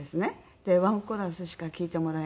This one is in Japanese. でワンコーラスしか聴いてもらえないし。